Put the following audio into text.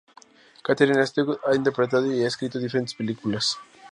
Kathryn Eastwood ha interpretado y ha escrito diferentes películas.